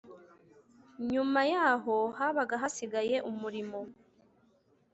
Nyuma yaho habaga hasigaye umurimo